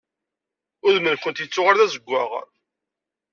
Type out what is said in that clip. Udem-nkent yettuɣal d azeggaɣ.